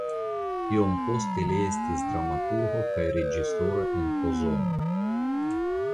Iom poste li estis dramaturgo kaj reĝisoro en Pozono.